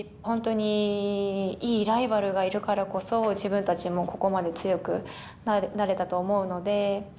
本当にいいライバルがいるからこそ自分たちもここまで強くなれたと思うので。